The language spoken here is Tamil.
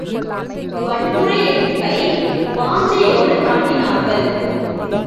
வன்முறை எதிர்ப்பை வாஞ்சையோடு காட்டினார்கள்.